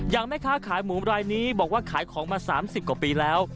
แม่ค้าขายหมูรายนี้บอกว่าขายของมา๓๐กว่าปีแล้ว